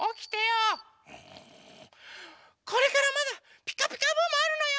これからまだ「ピカピカブ！」もあるのよ！